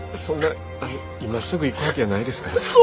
そんな今すぐ行くわけやないですから。